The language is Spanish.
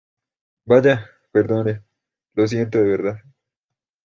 ¡ vaya, perdone , lo siento , de verdad!